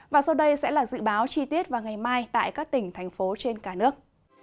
và sau đây sẽ là dự báo chi tiết vào ngày mai tại các tỉnh thành phố trên cả nước